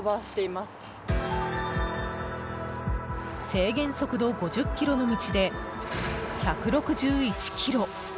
制限速度５０キロの道で１６１キロ。